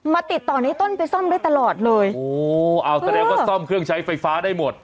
ติดต่อในต้นไปซ่อมได้ตลอดเลยโอ้เอาแสดงว่าซ่อมเครื่องใช้ไฟฟ้าได้หมด